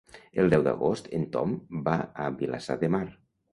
El deu d'agost en Tom va a Vilassar de Mar.